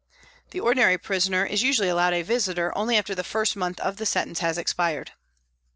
The ordinary prisoner is usually allowed a visitor only after the first month of the sentence has expired.